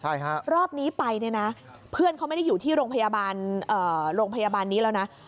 ใช่ครับรอบนี้ไปเนี่ยนะเพื่อนเขาไม่ได้อยู่ที่โรงพยาบาลนี้แล้วนะ